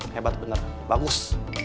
hebat bener bagus